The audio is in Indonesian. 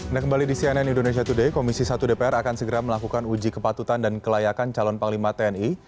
dan kembali di cnn indonesia today komisi satu dpr akan segera melakukan uji kepatutan dan kelayakan calon panglima tni